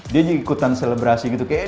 dia juga ikutan selebrasi gitu kayak